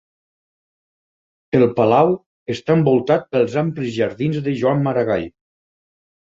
El palau està envoltat pels amplis Jardins de Joan Maragall.